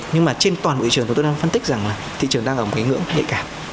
nhưng mà trên toàn bộ thị trường chúng tôi đang phân tích rằng là thị trường đang ở một cái ngưỡng nhạy cảm